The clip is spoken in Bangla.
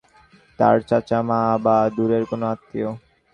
তার চাচা, মামা বা দূরের কোনো আত্মীয়।